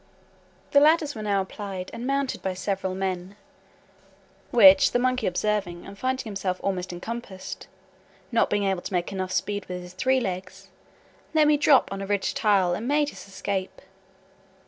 The ladders were now applied, and mounted by several men; which the monkey observing, and finding himself almost encompassed, not being able to make speed enough with his three legs, let me drop on a ridge tile, and made his escape.